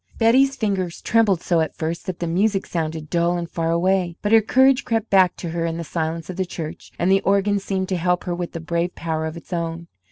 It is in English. Betty's fingers trembled so at first that the music sounded dull and far away; but her courage crept back to her in the silence of the church, and the organ seemed to help her with a brave power of its own.